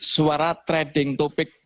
suara trading topik